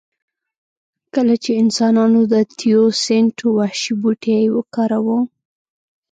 کله چې انسانانو د تیوسینټ وحشي بوټی وکاراوه